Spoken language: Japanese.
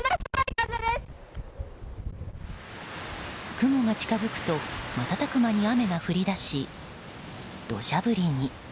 雲が近づくと、瞬く間に雨が降り出し、土砂降りに。